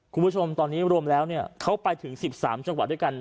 คุณผู้ชมตอนนี้รวมแล้วเนี่ยเขาไปถึงสิบสามจังหวัดด้วยกัน